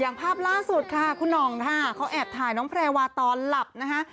อย่างภาพล่๖๔สุดค่ะท่านเค้าแอบถ่ายน้องแพรีวาตอนหลับนะคะ